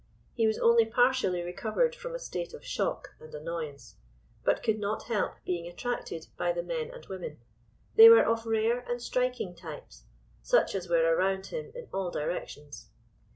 He was only partially recovered from a state of shock and annoyance, but could not help being attracted by the men and women; they were of rare and striking types, such as were around him, in all directions.